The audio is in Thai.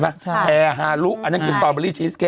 มาปกป้องเด็อโดนอีก